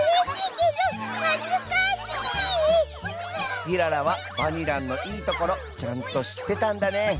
ティララはバニランのいいところちゃんと知ってたんだね。